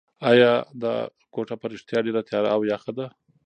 ایا دا کوټه په رښتیا ډېره تیاره او یخه ده؟